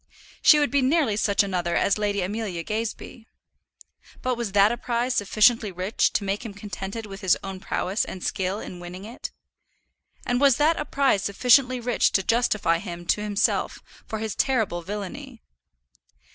She would be nearly such another as Lady Amelia Gazebee. But was that a prize sufficiently rich to make him contented with his own prowess and skill in winning it? And was that a prize sufficiently rich to justify him to himself for his terrible villany?